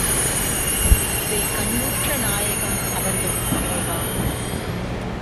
இதைக் கண்ணுற்ற நாயகம் அவர்கள், இறைவா!